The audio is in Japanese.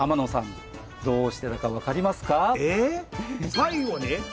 最後に？